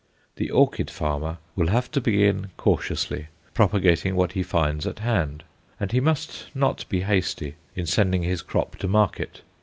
The orchid farmer will have to begin cautiously, propagating what he finds at hand, and he must not be hasty in sending his crop to market.